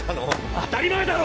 当たり前だろ！